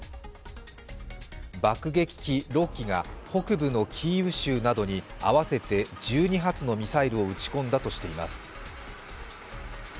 爆撃機６機が北部のキーウ州などに合わせて１２発のミサイルを撃ち込んだとしています。